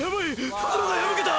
袋が破けた！